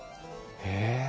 へえ